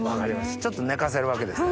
ちょっと寝かせるわけですか。